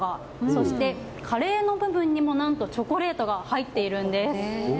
そして、カレーの部分にも何とチョコレートが入っているんです。